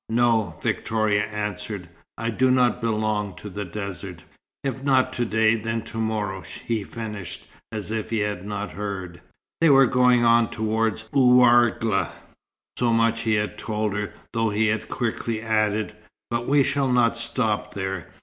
"No," Victoria answered. "I do not belong to the desert." "If not to day, then to morrow," he finished, as if he had not heard. They were going on towards Ouargla. So much he had told her, though he had quickly added, "But we shall not stop there."